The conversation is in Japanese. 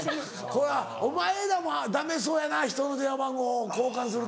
これはお前らもダメそうやなひとの電話番号交換するとか。